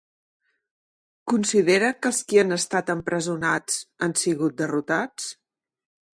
Considera que els qui han estat empresonats han sigut derrotats?